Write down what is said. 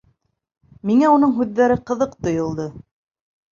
Миңә уның һүҙҙәре ҡыҙыҡ тойолдо.